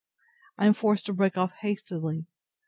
I am forced to break off hastily.